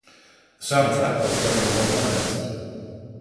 The soundtrack was Grammy Award nominated.